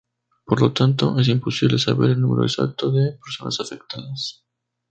Por lo tanto, es imposible saber el número exacto de personas afectadas.